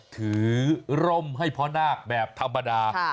ร่มให้พ่อนาคแบบธรรมดา